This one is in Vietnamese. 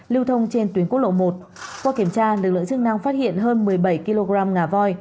lưu thông trên tuyến quốc lộ một qua kiểm tra lực lượng chức năng phát hiện hơn một mươi bảy kg ngà voi